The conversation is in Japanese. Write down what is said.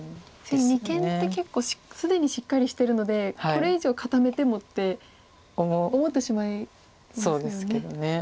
確かに二間って結構既にしっかりしてるのでこれ以上固めてもって思ってしまいますよね。